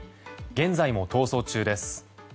現在も逃走中です。